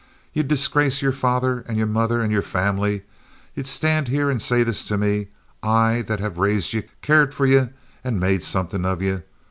Ye'd disgrace your father and yer mother and yer family? Ye'll stand here and say this to me, I that have raised ye, cared for ye, and made somethin' of ye?